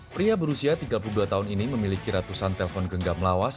pria berusia tiga puluh dua tahun ini memiliki ratusan telpon genggam lawas